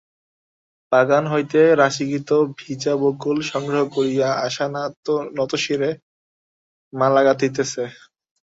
বাগান হইতে রাশীকৃত ভিজা বকুল সংগ্রহ করিয়া আশা নতশিরে মালা গাঁথিতেছে।